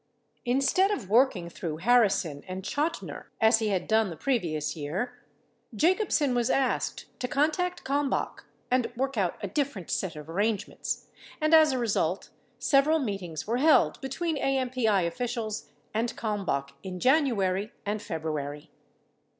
31 Instead of Avorking through Harrison and Chotiner, as he had done the previous year, 32 Jacobsen was asked to contact Kalmbach and Avork out a different set of arrangements, and as a result, several meetings were held betAveen AMPI officials and Kalm bach in January and February.